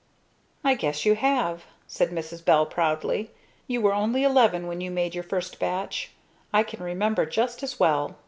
"I guess you have," said Mrs. Bell proudly. "You were only eleven when you made your first batch. I can remember just as well!